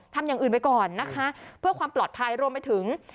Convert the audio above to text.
ทำอย่างอื่นไปก่อนนะคะเพื่อความปลอดภัยรวมไปถึง